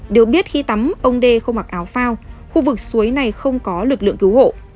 được biết khi tắm ông đê không mặc áo phao khu vực suối này không có lực lượng cứu hộ